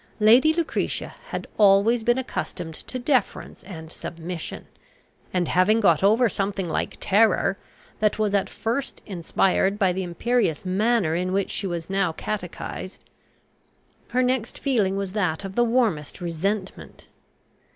Lady Lucretia had always been accustomed to deference and submission; and, having got over something like terror, that was at first inspired by the imperious manner in which she was now catechised, her next feeling was that of the warmest resentment.